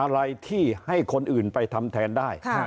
อะไรที่ให้คนอื่นไปทำแทนได้